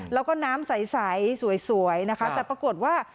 แล้วก็น้ำใสสวยนะคะแต่ปรากฏว่า